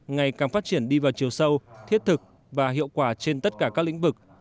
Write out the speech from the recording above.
ngày càng phát triển đi vào chiều sâu thiết thực và hiệu quả trên tất cả các lĩnh vực